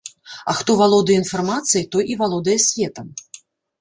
А хто валодае інфармацыяй, той і валодае светам.